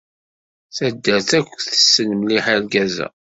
Taddart akk tessen mliḥ argaz-a.